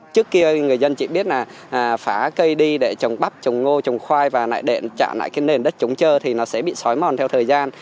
trước kia người dân chỉ biết là phá cây đi để trồng bắp trồng ngô trồng khoai và lại để trả lại cái nền đất chống trơ thì nó sẽ bị xói mòn theo thời gian